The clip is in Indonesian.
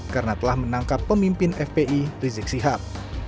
karena telah menangkap pemimpin fpi rizik sihab